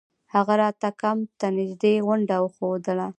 هغه راته کمپ ته نژدې غونډۍ راوښووله.